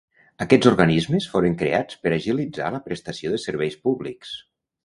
Aquests organismes foren creats per a agilitzar la prestació de serveis públics.